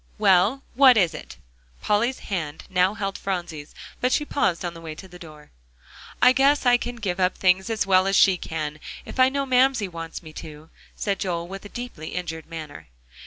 "Well, what is it?" Polly's hand now held Phronsie's, but she paused on the way to the door. "I guess I can give up things as well as she can, if I know Mamsie wants me to," said Joel, with a deeply injured manner.